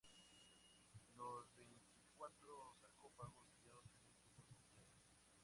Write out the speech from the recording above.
Los veinticuatro sarcófagos hallados habían sido saqueados.